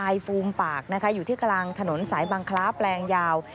อยู่ที่กลางถนนสายบางคล้าแปลงยาว